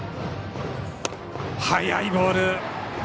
速いボール！